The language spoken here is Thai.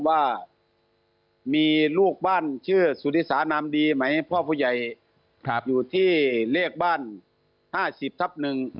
ว่ามีลูกบ้านชื่อสุธิสานามดีไหมพ่อผู้ใหญ่อยู่ที่เลขบ้าน๕๐ทับ๑